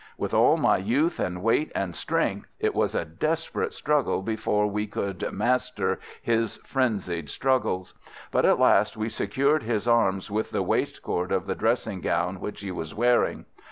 With all my youth and weight and strength, it was a desperate struggle before we could master his frenzied struggles; but at last we secured his arms with the waist cord of the dressing gown which he was wearing.